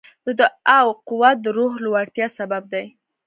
د دعا قوت د روح لوړتیا سبب دی.